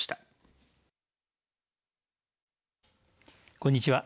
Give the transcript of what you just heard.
こんにちは。